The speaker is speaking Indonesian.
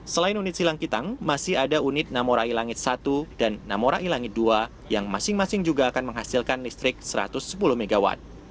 selain unit silangkitang masih ada unit namorai langit satu dan namorai langit dua yang masing masing juga akan menghasilkan listrik satu ratus sepuluh mw